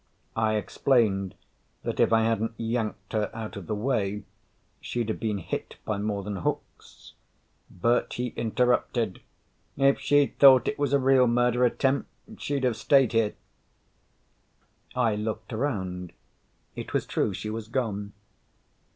I explained that if I hadn't yanked her out of the way, she'd have been hit by more than hooks. But he interrupted, "If she'd thought it was a real murder attempt, she'd have stayed here." I looked around. It was true. She was gone.